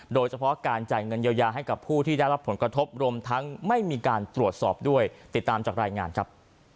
โดยเฉพาะการจ่ายเงินเยียวยาให้กับผู้ที่ได้รับผลกระทบรวมทั้งไม่มีการตรวจสอบด้วยติดตามจากรายงานครับ